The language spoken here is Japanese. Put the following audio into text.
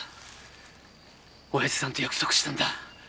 オヤジさんと約束したんだ。